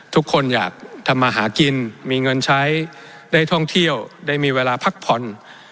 ทุกคนอยากทำมาหากินมีเงินใช้ได้ท่องเที่ยวได้มีเวลาพักผ่อน